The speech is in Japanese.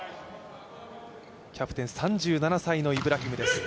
キャプテン３７歳のイブラヒムです。